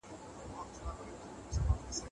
مثبت معلومات مو فکر ته قوت ورکوي.